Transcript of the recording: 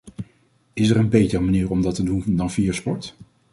Is er een betere manier om dat te doen dan via de sport?